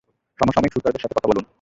সমসাময়িক সুরকারদের সাথে কথা বলুন।